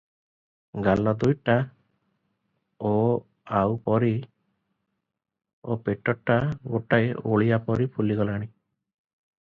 ଗାଲ ଦୁଇଟା ଓଆଉପରି ଓ ପେଟଟା ଗୋଟାଏ ଓଳିଆପରି ଫୁଲଗଲାଣି ।